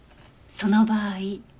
その場合。